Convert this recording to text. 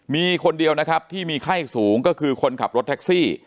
มีคนเดียวนะครับที่มีไข้สูงก็คือคนขับรถแท็กซี่